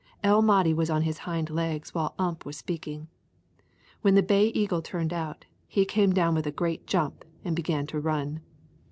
El Mahdi was on his hind legs while Ump was speaking. When the Bay Eagle turned out, he came down with a great jump and began to run.